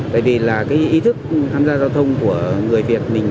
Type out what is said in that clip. bởi vì là cái ý thức tham gia giao thông của người việt